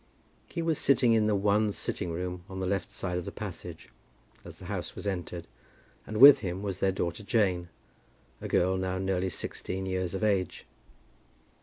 He was sitting in the one sitting room on the left side of the passage as the house was entered, and with him was their daughter Jane, a girl now nearly sixteen years of age.